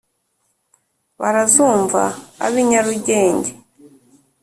barazumva ab’i nyarugenge